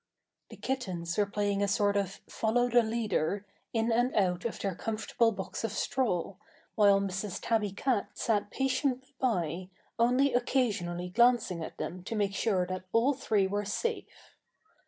The kittens were playing a sort of "follow the leader" in and out of their comfortable box of straw, while Mrs. Tabby Cat sat patiently by, only occasionally glancing at them to make sure that all three were safe.